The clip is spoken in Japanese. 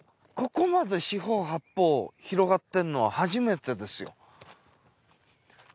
ここまで四方八方広がってるのは初めてですよ。